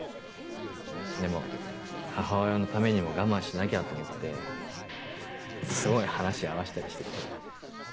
でも母親のためにも我慢しなきゃと思ってすごい話合わせたりしてて。